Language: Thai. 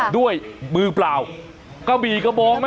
ด้วยมือเปล่าก็บีกระบองไหม